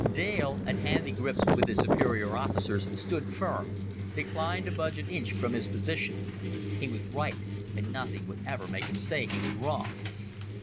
Dale, at handy grips with his superior officers, stood firm, declined to budge an inch from his position; he was right, and nothing would ever make him say he was wrong.